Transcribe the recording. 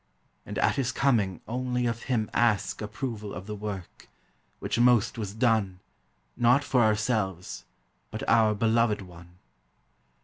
And at his coming only of him ask Approval of the work, which most was done, Not for ourselves, but our Beloved One.